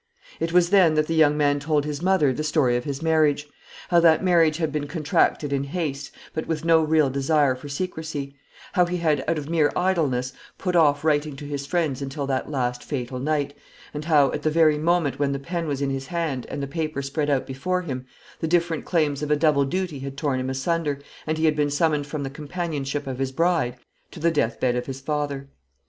It was then that the young man told his mother the story of his marriage: how that marriage had been contracted in haste, but with no real desire for secrecy; how he had, out of mere idleness, put off writing to his friends until that last fatal night; and how, at the very moment when the pen was in his hand and the paper spread out before him, the different claims of a double duty had torn him asunder, and he had been summoned from the companionship of his bride to the deathbed of his father.